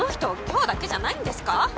今日だけじゃないんですか？